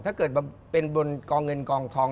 ถ้าเกิดมาเป็นบนกองเงินกองทอง